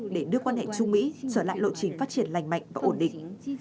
để đưa quan hệ trung mỹ trở lại lộ trình phát triển lành mạnh và ổn định